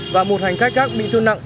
và một hành khách khác bị thương nặng